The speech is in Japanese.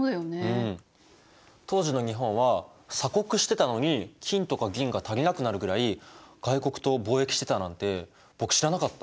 うん当時の日本は鎖国してたのに金とか銀が足りなくなるぐらい外国と貿易してたなんて僕知らなかった。